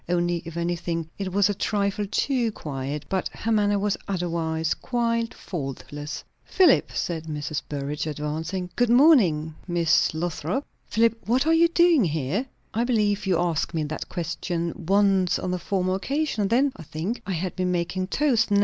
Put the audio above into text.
Only, if anything, it was a trifle too quiet; but her manner was other wise quite faultless. "Philip! " said Mrs. Burrage, advancing "Good morning Miss Lothrop. Philip, what are you doing here?" "I believe you asked me that question once on a former occasion. Then, I think, I had been making toast.